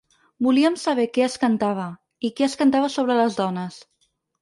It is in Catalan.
Volíem saber què es cantava, i què es cantava sobre les dones.